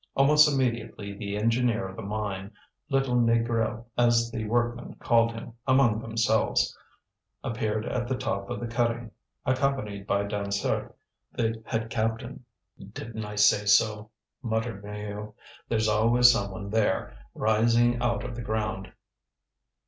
Almost immediately the engineer of the mine, little Négrel, as the workmen called him among themselves, appeared at the top of the cutting, accompanied by Dansaert, the head captain. "Didn't I say so?" muttered Maheu. "There's always someone there, rising out of the ground."